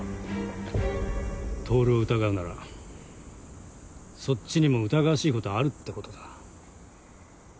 透を疑うならそっちにも疑わしいことはあるってことだ。